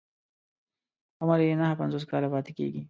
عمر يې نهه پنځوس کاله پاتې کېږي.